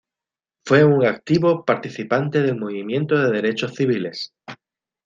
Fue un activo participante del movimiento de derechos civiles.